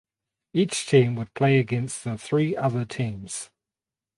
Each team would play against the three other teams.